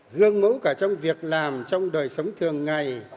gương mẫu cả trong việc làm trong đời sống thường ngày